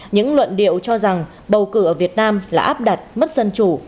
những luận điệu cho rằng bầu cử ở việt nam là áp đặt mất dân chủ